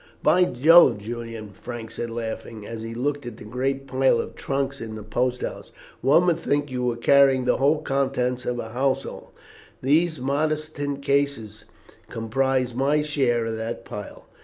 "By Jove! Julian," Frank said laughing, as he looked at the great pile of trunks in the post house, "one would think that you were carrying the whole contents of a household. Those modest tin cases comprise my share of that pile."